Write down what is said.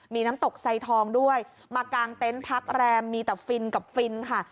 มีน้ำตกไซทองด้วยมากางเต็นต์พักแรมมีแต่ฟินกับฟินค่ะ